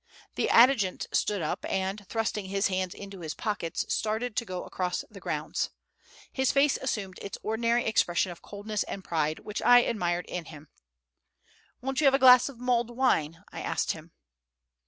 The adjutant stood up, and, thrusting his hands into his pockets, started to go across the grounds. His face assumed its ordinary expression of coldness and pride, which I admired in him. "Won't you have a glass of mulled wine?" I asked him.